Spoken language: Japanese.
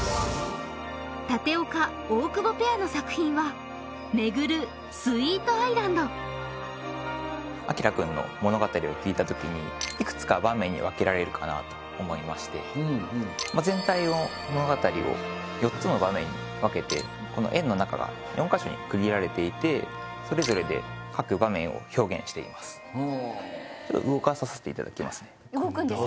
舘岡・大久保ペアの作品はアキラくんの物語を聞いた時にいくつか場面に分けられるかなと思いまして全体の物語を４つの場面に分けてこの円の中が４カ所に区切られていてそれぞれで各場面を表現していますえっ動くんですか？